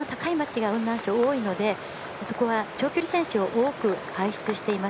標高の高い街が雲南省、多いのでそこは長距離選手を多く輩出してます。